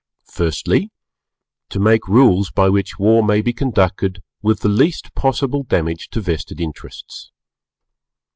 Firstly, to make rules by which war may be conducted with the least possible damage to Vested Interests.